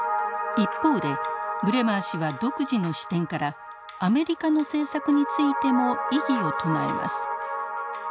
一方でブレマー氏は独自の視点からアメリカの政策についても異議を唱えます。